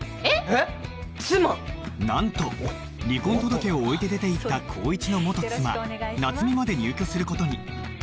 なんと離婚届を置いて出ていった紘一の元妻夏美まで入居する事に